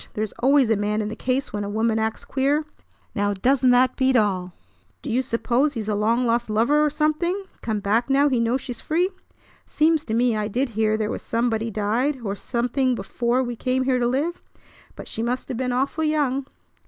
There's always a man in the case when a woman acts queer! Now, doesn't that beat all? Do you suppose he's a long lost lover or something, come back now he knows she's free? Seems to me I did hear there was somebody died or something before we came here to live, but she must have been awful young."